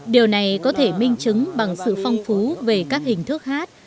điều này có thể minh chứng bằng sự phong phú về các hình thức hát